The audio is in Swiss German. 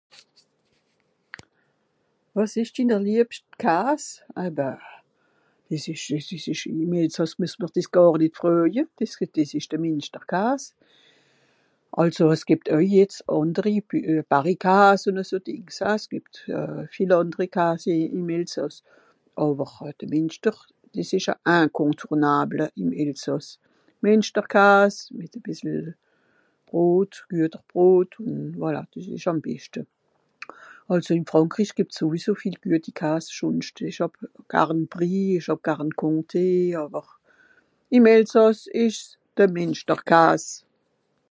wàs esch dinner liebscht kaas ah bah des esch des esch ìm elsàss mieuss mr des gàr nìt freuje des het des esch de mìnsterkaas àlso es geb euj jetz ànderi barikaas ùn à so dìngs as gebt viel ànderi kaas ìm elsàss àwer de mìnster des esch à incontournable ìm elsàss mìnsterkaas mìt a bìssel brot gueter brot un voila des esch àm beschte àlso ìm frànkrisch gebs euj so viel gueti kaas schònscht esch hàb garn brie esch hàb garn comté àwer ìm elsàss esch's de mìnsterkaas